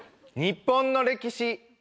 日本の歴史。